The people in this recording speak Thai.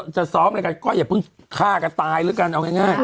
จะซ้อมอะไรกันก็อย่าเพิ่งฆ่ากันตายแล้วกันเอาง่าย